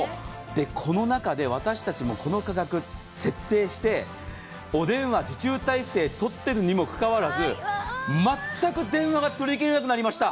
この中で私たちもこの価格、設定してお電話、受注体制をとっていますけれども、全く電話が取りきれなくなりました。